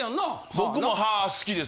僕も歯好きです。